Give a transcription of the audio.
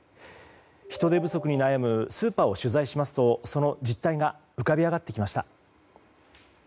人手不足に悩むスーパーを取材しますとその実態が浮かび上がってきました。